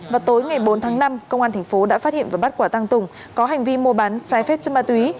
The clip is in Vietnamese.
vào tối ngày bốn tháng năm công an thành phố đã phát hiện và bắt quả tăng tùng có hành vi mua bán trái phép chất ma túy